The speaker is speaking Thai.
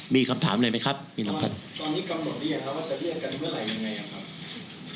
มีคำถามอะไรไหมครับพี่น้องครับตอนนี้กำหนดหรือยังครับว่าจะเรียกกันเมื่อไหร่ยังไงอ่ะครับ